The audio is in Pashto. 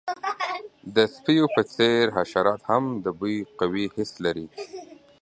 د سپیو په څیر، حشرات هم د بوی قوي حس لري.